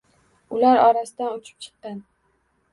Ular orasidan uchib chiqqan